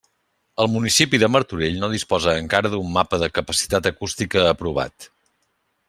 El municipi de Martorell no disposa encara d'un mapa de capacitat acústica aprovat.